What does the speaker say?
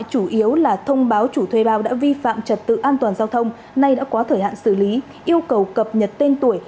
điện thoại chủ yếu là thông báo chủ thuê bào đã vi phạm trật tự an toàn giao thông nay đã có thời hạn xử lý yêu cầu cập nhật tên tuổi